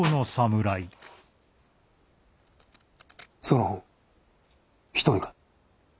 その方１人か？